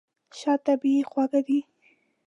شات طبیعي خوږ دی.